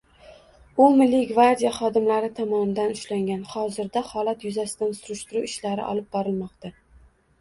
U Milliy gavrdiya xodimlari tomonidan ushlangan, hozirda holat yuzasidan surishtiruv ishlari olib borilmoqda